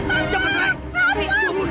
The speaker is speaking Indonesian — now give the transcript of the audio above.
menghilang dan hal tersebutlah